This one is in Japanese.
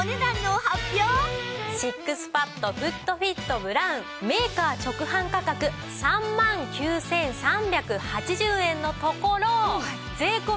シックスパッドフットフィットブラウンメーカー直販価格３万９３８０円のところ税込